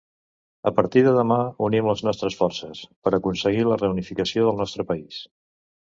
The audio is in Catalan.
A partir de demà, unim les nostres forces... per aconseguir la reunificació del nostre país.